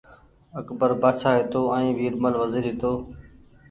اڪبر بآڇآ هيتو ائين ويرمل وزير هيتو